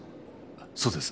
そうです。